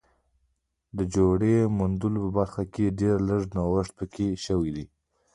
د جوړې موندلو برخه کې ډېر لږ نوښت پکې شوی دی